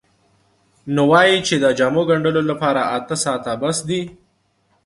نو وایي چې د جامو ګنډلو لپاره اته ساعته بس دي.